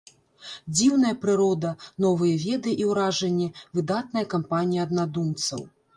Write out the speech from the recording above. Дзіўная прырода, новыя веды і ўражанні, выдатная кампанія аднадумцаў.